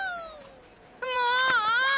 もう！